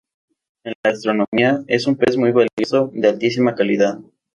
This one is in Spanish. En la gastronomía es un pez muy valorado, de altísima calidad.